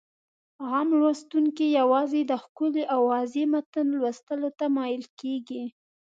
عام لوستونکي يوازې د ښکلي او واضح متن لوستلو ته مايل کېږي.